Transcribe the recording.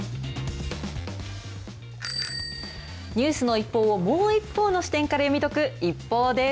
ニュースの一報を、もう一方の視点から読み解くＩＰＰＯＵです。